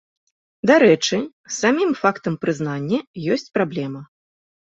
Дарэчы, з самім фактам прызнання ёсць праблема.